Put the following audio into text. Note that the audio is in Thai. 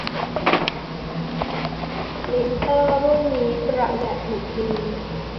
ปรินเตอร์รุ่นนี้ประหยัดหมึกดี